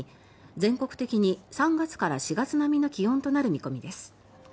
全国的に３月から４月並みの気温となる見込みです。